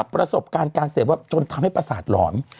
ประสบการณ์การเสพว่าจนทำให้ประสาทหลอน